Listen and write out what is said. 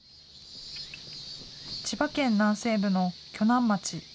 千葉県南西部の鋸南町。